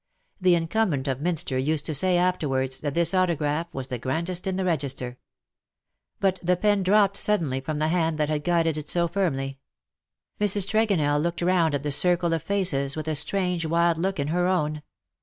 The incumbent o£ Minster used to say afterwards that this autograph was the grandest in the register. But the pen dropped suddenly from the hand that had guided it so firmly. INIi^s. Tregonell looked round at the circle of faces with a strange wild look in her own.